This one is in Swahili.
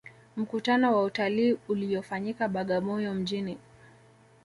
mkutano wa utalii uliyofanyikia bagamoyo mjini